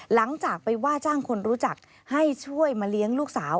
หลังจากไปว่าจ้างคนรู้จักให้ช่วยมาเลี้ยงลูกสาว